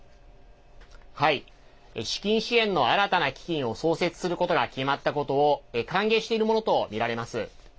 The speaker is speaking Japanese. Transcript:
資金支援の新たな基金を創設することが決まったことを歓迎しているものとみられます。